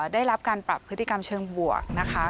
ได้รับการปรับพฤติกรรมเชิงบวกนะคะ